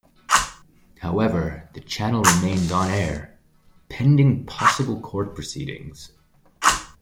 However the channel remains on air pending possible court proceedings.